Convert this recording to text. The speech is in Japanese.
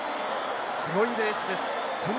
すごいレースです。